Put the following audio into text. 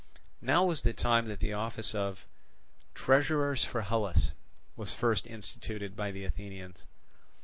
Now was the time that the office of "Treasurers for Hellas" was first instituted by the Athenians.